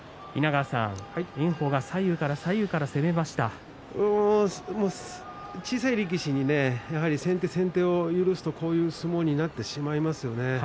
炎鵬は左右から左右から小さい力士に先手先手を許すと、こういう相撲になってしまいますよね。